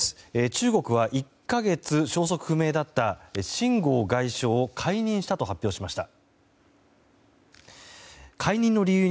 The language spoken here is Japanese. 中国は１か月消息不明だったシン・ゴウ外相を解任したと発表しました。